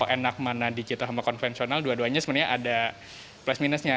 enak mana digital sama konvensional dua duanya sebenarnya ada plus minusnya